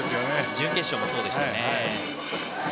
準決勝もそうでしたね。